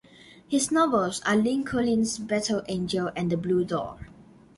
His novels are "Lincoln's Better Angel" and "The Blue Door.